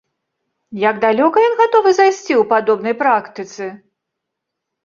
Як далёка ён гатовы зайсці ў падобнай практыцы?